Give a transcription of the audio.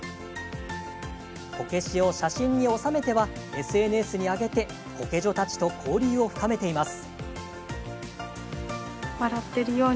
こけしを写真に収めてはＳＮＳに上げてこけ女たちと交流を深めています。